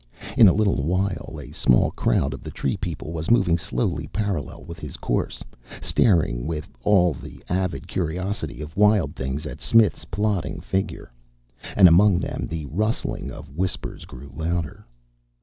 In a little while a small crowd of the tree people was moving slowly parallel with his course, staring with all the avid curiosity of wild things at Smith's plodding figure. And among them the rustling whispers grew louder.